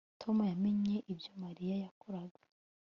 Tom yamenye ibyo Mariya yakoraga